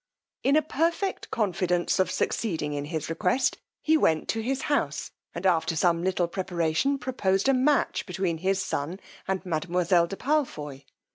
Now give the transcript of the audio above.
In a perfect confidence of succeeding in his request, he went to his house, and, after some little preparation, proposed a match between his son and mademoiselle de Palfoy.